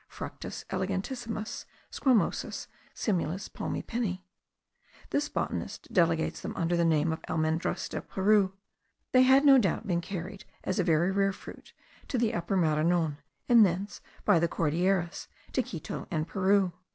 (Fructus elegantissimus, squamosus, similis palmae pini.) This botanist designates them under the name of almendras del Peru. They had no doubt been carried, as a very rare fruit, to the Upper Maranon, and thence, by the Cordilleras, to Quito and Peru.